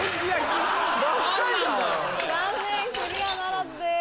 残念クリアならずです。